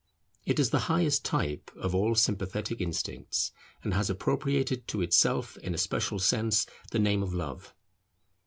It is the highest type of all sympathetic instincts, and has appropriated to itself in a special sense the name of Love.